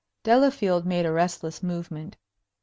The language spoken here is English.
Delafield made a restless movement.